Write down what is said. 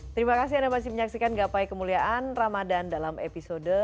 terima kasih anda masih menyaksikan gapai kemuliaan ramadan dalam episode